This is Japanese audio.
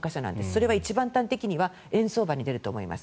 それは一番端的には円相場に出ると思います。